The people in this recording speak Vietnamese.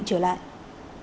thị trường và giá cả mùa xuân